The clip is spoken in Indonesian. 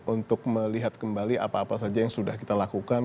untuk melihat kembali apa apa saja yang sudah kita lakukan